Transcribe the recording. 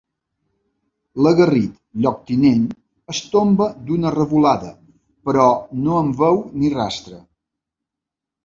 L'aguerrit lloctinent es tomba d'una revolada, però no en veu ni rastre.